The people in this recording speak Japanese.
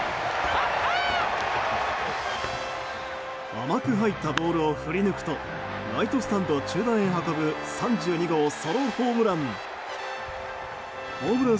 甘く入ったボールを振りぬくとライトスタンド中段へ運ぶ３２号ソロホームラン。